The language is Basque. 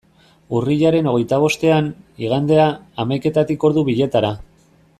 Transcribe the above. Urriaren hogeita bostean, igandea, hamaiketatik ordu bietara.